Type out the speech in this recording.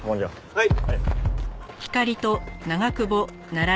はい。